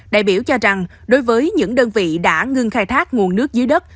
đại biểu cho rằng đối với những đơn vị đã ngưng khai thác nguồn nước dưới đất